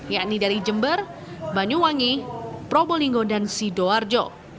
yakni dari jember banyuwangi probolinggo dan sidoarjo